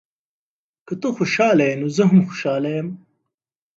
که ته خوشحاله یې، نو زه هم خوشحاله یم.